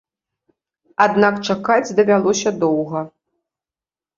Аднак чакаць давялося доўга.